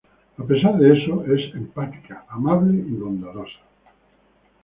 A pesar de eso es empática, amable y bondadosa.